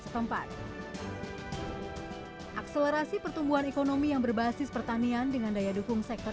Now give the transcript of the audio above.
setempat akselerasi pertumbuhan ekonomi yang berbasis pertanian dengan daya dukung sektor